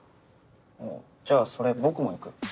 じゃあそれ僕も行く。